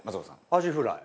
アジフライ。